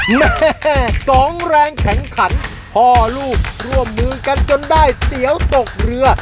แม่สองแรงแข็งขันพ่อลูกร่วมมือกันจนได้เตี๋ยวตกเรือ